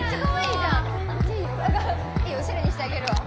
いいよおしゃれにしてあげるわ。